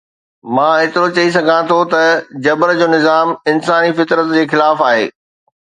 مان ايترو چئي سگهان ٿو ته جبر جو نظام انساني فطرت جي خلاف آهي.